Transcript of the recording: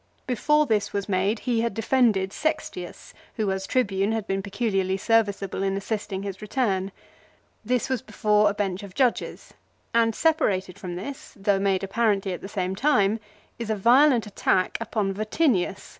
Before this was made he had defended Sextius, who as Tribune had been peculiarly serviceable in assisting his return. This was before a bench of judges ; and separated from this, though made apparently at the same time, is a violent attack upon Vatinius, one of Caesar's creatures, who was a witness against Sextius.